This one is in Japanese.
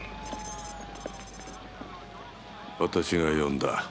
私が呼んだ。